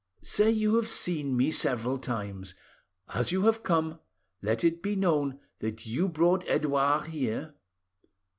Say you have seen me several times; as you have come, let it be known that you brought Edouard here.